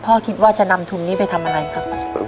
พ่อคิดว่าจะนำทุนนี้ไปทำอะไรครับ